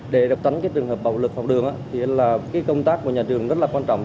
để tránh cái trường hợp bạo lực học đường thì là cái công tác của nhà trường rất là quan trọng